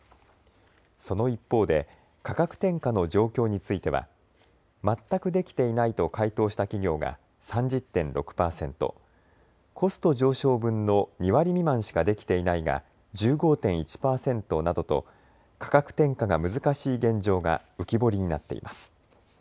その一方で価格転嫁の状況については全くできていないと回答した企業が３０．６％、コスト上昇分の２割未満しかできていないが１５．１％などと価格転嫁が難しい現状が浮き彫りになっています。